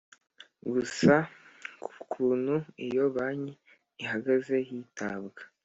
gusa ku kuntu iyo banki ihagaze hitabwa